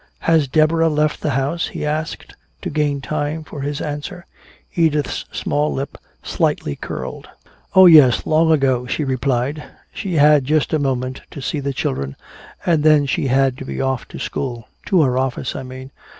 "Has Deborah left the house?" he asked, to gain time for his answer. Edith's small lip slightly curled. "Oh, yes, long ago," she replied. "She had just a moment to see the children and then she had to be off to school to her office, I mean.